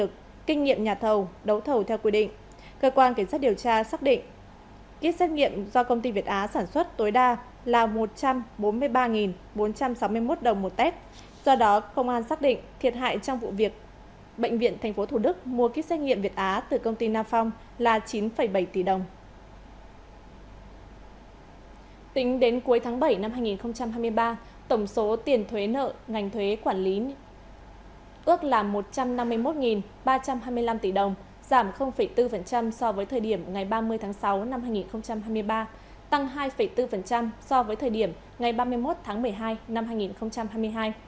tính đến cuối tháng bảy năm hai nghìn hai mươi ba tổng số tiền thuế nợ ngành thuế quản lý ước là một trăm năm mươi một ba trăm hai mươi năm tỷ đồng giảm bốn so với thời điểm ngày ba mươi tháng sáu năm hai nghìn hai mươi ba tăng hai bốn so với thời điểm ngày ba mươi một tháng một mươi hai năm hai nghìn hai mươi hai